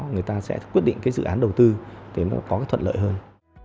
người ta sẽ quyết định cái dự án đầu tư để nó có cái thuận lợi hơn